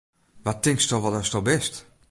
Wa tinksto wol datsto bist!